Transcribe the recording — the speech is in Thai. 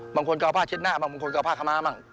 บางคนก็เอาผ้าเช็ดหน้าบางคนก็เอาผ้าขมะมา้ว่าง